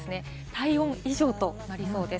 体温以上となりそうです。